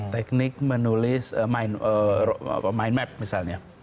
teknik menulis mind map misalnya